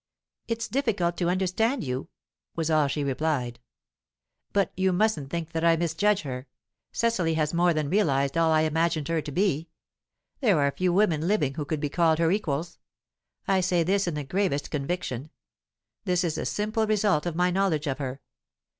"It's difficult to understand you," was all she replied. "But you mustn't think that I misjudge her. Cecily has more than realized all I imagined her to be. There are few women living who could be called her equals. I say this in the gravest conviction; this is the simple result of my knowledge of her.